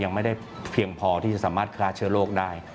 ยังไม่ได้เพียงพอที่จะสามารถฆ่าเชื้อโรคได้